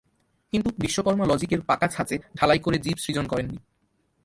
কিন্তু বিশ্বকর্মা লজিকের পাকা ছাঁচে ঢালাই করে জীব সৃজন করেন নি।